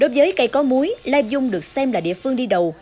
đối với cây có múi lai dung được xem là địa phương đi đầu